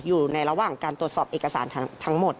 อยู่ในระหว่างการตรวจสอบเอกสารทั้งหมด